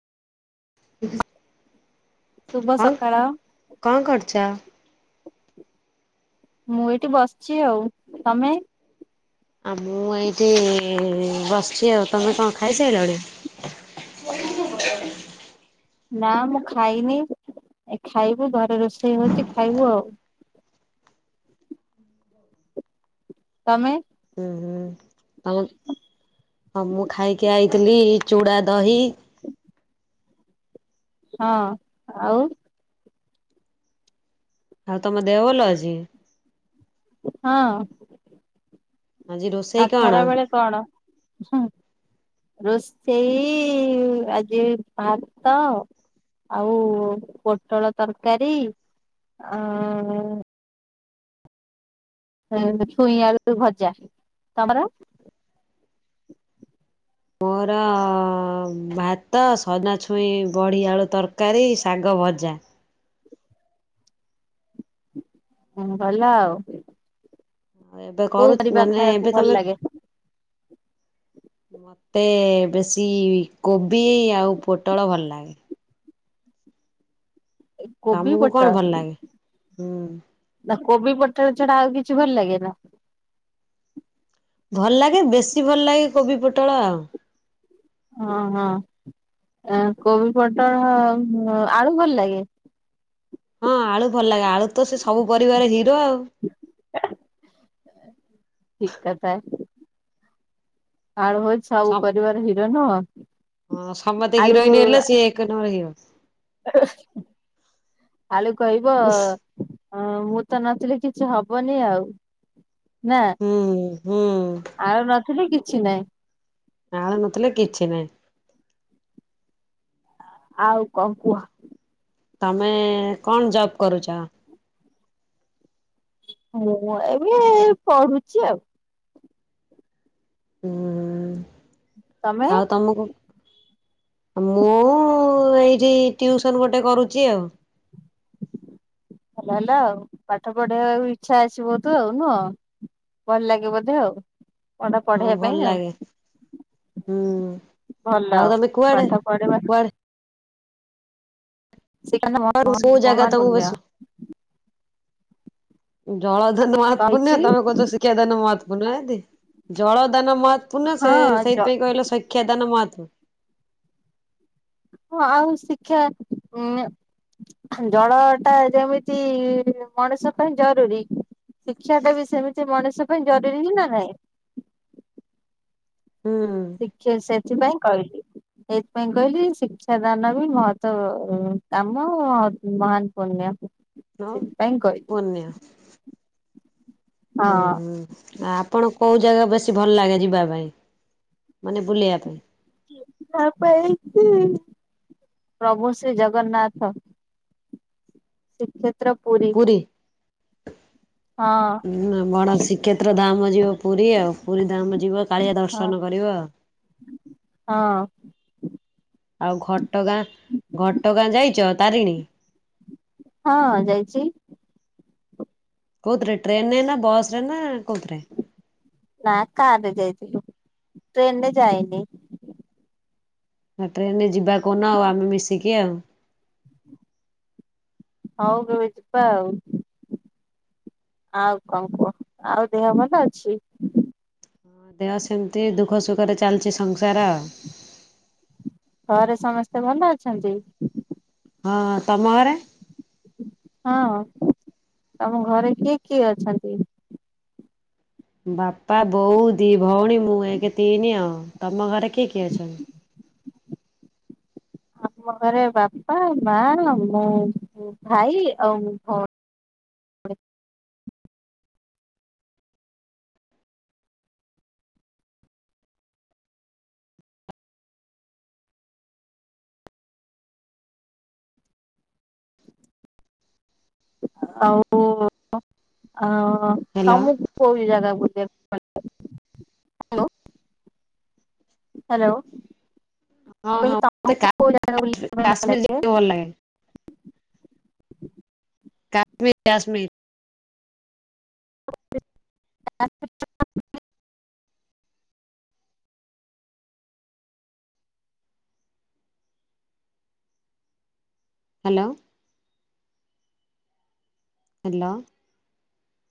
[inaudible] ଶୁଭ କଣ ସକାଳ। କଣ କରୁଚ? ମୁଁ ଏଇଠି ବସିଛି ଆଉ ତମେ। ଆ ମୁଁ ଏଇଠି ବସିଚି ଆଉ ତମେ କଣ ଖାଇସଇିଲନି? ନା ମୁଁ ଖାଇନି ଏ ଖାଇବୁ ଘରେ ରୋଷେଇ ହଉଛି ଖାଇବୁ ଆଉ। ତମେ? ହୁଁ ହୁଁ ତମ ହଁ ମୁଁ ଖାଇକି ଆଇଥିଲି ଏଇ ଚୁଡ଼ା ଦହି। ହଁ ଆଉ? ଆଉ ତମ ଦେହ ଭଲ ଅଛି? ହଁ। ଆଜି ରୋଷେଇ ଆଉ କଣ? ଖରା ବେଳେ କଣ? ରୋଷେଇ ଆଜି ଭାତ ଆଉ ପୋଟଳ ତରକାରୀ ଆ ଏଁ ଛୁଇଁ ଆଳୁ ଭଜା ତମର? ମୋର ଭାତ, ସଜନା ଛୁଇଁ ବଢ଼ି ଆଳୁ ତରକାରୀ, ଶାଗ ଭଜା। ହୁଁ ଭଲ ଆଉ। ହଁ ଏବେ କୋଉ କରୁ ପରିବା ମାନେ ଖାଇବାକୁ ଏବେ ଭଲ ତମେ ଲାଗେ? ମୋତେ ବେଶୀ କୋବି ଆଉ ପୋଟଳ ଭଲ ଲାଗେ। କୋବି, ତମକୁ କଣ ପୋଟଳ ଭଲ ଲାଗେ? ହୁଁ ନା କୋବି, ପୋଟଳ ଛଡା ଆଉ କିଛି ଭଲ ଲାଗେ ନା? ଭଲ ଲାଗେ ବେଶୀ ଭଲ ଲାଗେ କୋବି ପୋଟଳ ଆଉ। ଓ ହଁ ଆ କୋବି, ପଟଳ, ଆଳୁ ଭଲ ଲାଗେ? ହଁ ଆଳୁ ଭଲ ଲାଗେ ଆଳୁ ତ ସେ ସବୁ ପରିବାରେ ହିରୋ ଆଉ। ଠିକ୍ କଥା। ଆଳୁ ହୋଉଚି ସବୁ ପରିବାର ହିରୋ ନୁହଁ। ହଁ ସମସ୍ତେ ଆଳୁ ହିରୋଇନ ହେଲେ ସିଏ ଏକ ନମ୍ବର ହିରୋ। ଆଳୁ କହିବ ହଁ ମୁଁ ତ ନଥିଲେ କିଛି ହବନି ଆଉ ନା। ହୁଁ ହୁଁ। ଆଉ ନଥିଲେ କିଛି ନାଇଁ। ନାଁ ପା ନଥିଲେ କିଛି ନହିଁ। ଆଉ କଣ କୁହ। ତମେ କଣ ଜବ୍ କରୁଚ? ମୁଁ ଏବେ ଏଇ ପଢୁଚି ଆଉ। ହୁଁ ତମେ ଆଉ ତମକୁ ମୁଁ ଏଇଠି ଟିଉସନ୍ ଗୋଟେ କରୁଚି ଆଉ। ଭଲ ହେଲା ଆଉ ପାଠ ପଢେଇବାକୁ ଇଚ୍ଛା ଅଛି ବୋଧେ ଆଉ ନୁହଁ। ଭଲ ଲାଗେ ବୋଧେ ଆଉ। ପାଠ ହଁ ପଢେଇବା ଭଲ ପାଇଁ ଆଉ ଲାଗେ ହୁଁ ଆଉ ଭଲ ତମେ କୁଆଡେ ପାଠ ପଢେଇବା କୁଆଡେ ଶିକ୍ଷା [unintelligible] ମ ମହାନ୍ କୋଉ ଜାଗା ମହାନ୍ ତମକୁ ପୁନ୍ୟ। ବେଶୀ ଜଳ ଦାନ ମହତ ପୂନ୍ୟ କହିଛି ତମେ କୋହୁଚ ଶିକ୍ଷା ଦାନ ମହତ୍ ପୂନ୍ୟ କେମିତି ଜଳଦାନ ମହତ୍ ପୁନ୍ୟ ସେ ହଁ ଜ ସେଇଥି ପାଇଁ କହିଲେ ଶକ୍ଷା ଦାନ ମହାତ୍ ହଁ ଆଉ ଶିକ୍ଷା ହାଁ ଜଳଟା ଯେମିତି ମଣିଷ ପାଇଁ ଜରୁରୀ ଶିକ୍ଷାଟା ବି ସେମିତି ମଣିଷ ପାଇଁ ଜରୁରୀ ହିଁ ନା ନାହିଁ। ହୁଁ। ଶିକ୍ଷା ସେଥିପାଇଁ କହିଲି ସେଇଥିପାଇଁ କହିଲି ଶିକ୍ଷା ଦାନ ବି ମହତ କାମ ମହାନ୍ ପୁନ୍ୟ। ହଁ ପୁନ୍ୟ। ହଁ। ଆ ଆପଣ କୋଉ ଜାଗା ବେଶୀ ଭଲ ଲାଗେ ଯିବା ପାଇଁ ମାନେ ବୁଲିବା ପାଇଁ? ସେଇଥି ପାଇଁ ତ ଏଇଠି ପ୍ରଭୁ ଶ୍ରୀ ଜଗନ୍ନାଥ। ଶିକ୍ଷେ ପୁରୀ। ହଁ। ଉଁ ନ ବଡ ଶ୍ରୀକ୍ଷେତ୍ର ଧାମ ଯିବ ପୁରୀ ଆଉ ପୁରୀ ଧାମ ଯିବ କାଳିଆ ହଁ ଦର୍ଶନ କରିବ। ହଁ। ଆଉ ଘଟଗାଁ ଘଟଗାଁ ଯାଇଛ ତାରିଣୀ। ହଁ ଯାଇଛି। କୋଉଥ୍ରେ ଟ୍ରେନ ରେ ନା ବସ ରେ ନା କୋଉଥ୍ରେ? ନା କାରରେ ଯାଇଥିଲୁ ଟ୍ରେନ ରେ ଯାଇନି। ନା ଟ୍ରେନରେ ଯିବା କୋଉନ ଆମେ ମିଶିକି ଆଉ। ହଉ କେବେ ଯିବା ଆଉ। ଆଉ କଂ କୁହ ଆଉ ଦେହ ଭଲ ଅଛି। ଦେହ ସେମିତି ଦୁଃଖ ସୁଖରେ ଚାଲିଛି ସଂସାର। ଘରେ ସମସ୍ତେ ଭଲ ଅଛନ୍ତି। ହଁ ତମ ଘରେ। ହଁ ତମ ଘରେ କିଏ କିଏ ଅଛନ୍ତି? ବାପା ବୋଉ ଦି ଭଉଣୀ ମୁଁ ଏକ ତିନି ଆଉ ତମ ଘରେ କିଏ କିଏ ଅଛନ୍ତି? ଆମ ଘରେ ବାପା ମା ମୁଁ ଭାଇ ଆଉ ମୋ ଭଉଣୀ। ଆଉ ଆଁ ହ୍ୟାଲୋ। ତମକୁ [unintelligible] ହ୍ୟାଲୋ। ହଁ ହଁ ମତେ କା କାଶ୍ମୀର ଯିବାକୁ [unintelligible] ଭଲ ଲାଗେ କା ମି କାଶ୍ମୀର। [unintelligible] ହ୍ୟାଲୋ। ହ୍ୟାଲୋ।